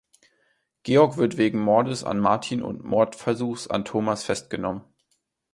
Georg wird wegen Mordes an Martin und Mordversuchs an Thomas festgenommen.